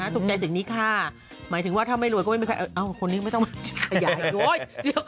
ถูกใจสิ่งนี้ค่ะหมายถึงว่าถ้าไม่รวยก็ไม่มีใครเอาคนนี้ไม่ต้องมาขยายรวย